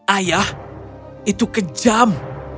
ayah itu kejam